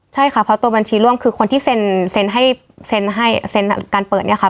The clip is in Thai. ใช่ค่ะเพราะตัวบัญชีร่วมคือคนที่เซ็นให้เซ็นให้เซ็นการเปิดเนี่ยค่ะ